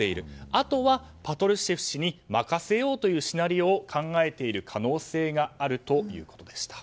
あとはパトルシェフ氏に任せようというシナリオを考えている可能性があるということでした。